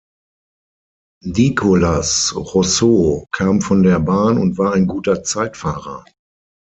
Nicolas Rousseau kam von der Bahn und war ein guter Zeitfahrer.